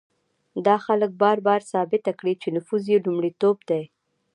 دا خلک بار بار ثابته کړې چې نفوذ یې لومړیتوب دی.